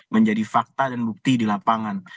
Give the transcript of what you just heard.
menjadi fakta dan bukti di lapangan